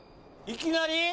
「いきなり！？」